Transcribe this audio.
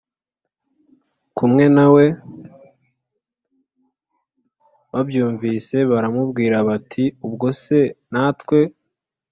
kumwe na we babyumvise baramubwira bati ubwo se natwe